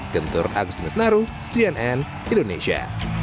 gentor agus nesnaru cnn indonesia